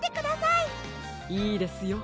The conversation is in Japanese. いいですよ。